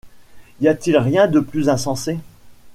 Y a-t-il rien de plus insensé?